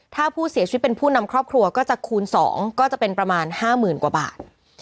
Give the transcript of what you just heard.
ถ้าผู้เสียชีวิตเป็นผู้นำครอบครัวก็จะคูณ๒ก็จะเป็นประมาณ๕๐๐๐กว่าบาท